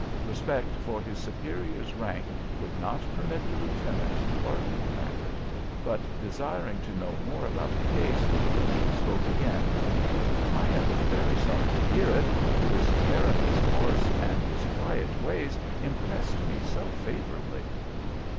Respect for his superior's rank would not permit the lieutenant to argue the matter; but, desiring to know more about the case, he spoke again: "I am very sorry to hear it. His care of his horse and his quiet ways impressed me so favorably."